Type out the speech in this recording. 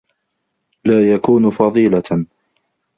لَا يَكُونُ فَضِيلَةً